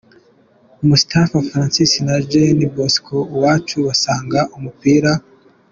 Moustapha Frnacis na Jean Bosco Uwacu basanga umupira.